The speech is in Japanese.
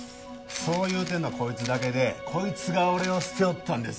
そう言うてんのはこいつだけでこいつが俺を捨てよったんです。